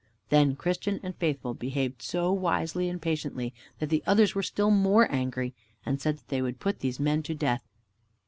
Then Christian and Faithful behaved so wisely and patiently, that the others were still more angry, and said they would put these men to death.